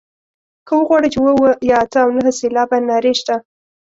که وغواړو چې اووه اووه یا اته او نهه سېلابه نارې شته.